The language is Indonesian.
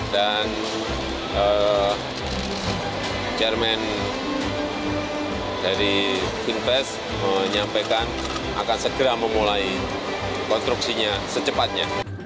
dan chairman dari finfest menyampaikan akan segera memulai konstruksinya secepatnya